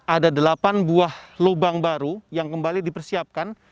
ada delapan buah lubang baru yang kembali dipersiapkan